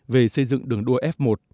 về xây dựng đường đua f một